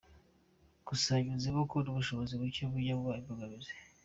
Gusa yunzemo ko n'ubushobozi bucye bujya buba imbogamizi.